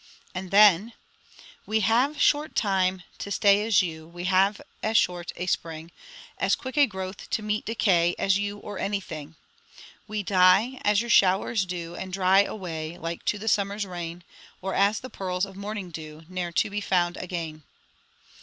And then 'We have short time to stay as you; We have as short a spring; As quick a growth to meet decay, As you or anything: We die As your showers do; and dry Away Like to the summer's rain, Or as the pearls of morning dew, Ne'er to be found again.'